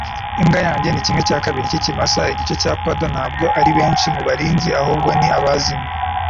imbwa yanjye ni kimwe cya kabiri cy'ikimasa, igice cya poodle ntabwo ari benshi mu barinzi, ahubwo ni amazimwe